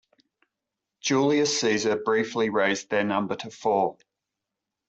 Julius Caesar briefly raised their number to four.